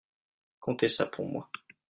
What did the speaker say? Comptez ça pour moi.